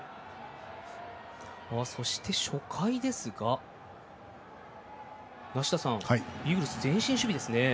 そして、初回ですが梨田さん、イーグルス前進守備ですね。